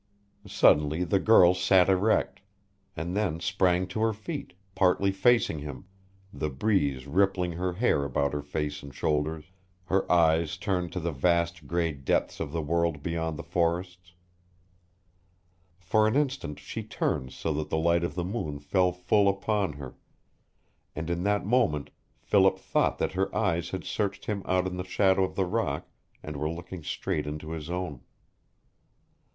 Suddenly the girl sat erect, and then sprang to her feet, partly facing him, the breeze rippling her hair about her face and shoulders, her eyes turned to the vast gray depths of the world beyond the forests. For an instant she turned so that the light of the moon fell full upon her, and in that moment Philip thought that her eyes had searched him out in the shadow of the rock and were looking straight into his own.